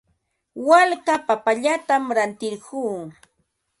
Walka papallatam rantirquu.